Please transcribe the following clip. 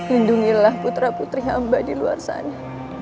lindungilah putra putri hamba di luar sana